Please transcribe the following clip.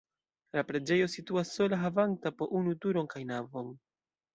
La preĝejo situas sola havanta po unu turon kaj navon.